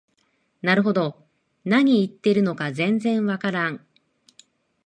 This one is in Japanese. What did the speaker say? なるほど、何言ってるのか全然わからん